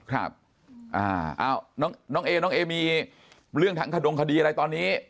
ครับน้องเอมีเรื่องทางกระดงคดีอะไรตอนนี้